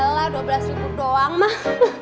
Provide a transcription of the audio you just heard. ya elah dua belas ribu doang mah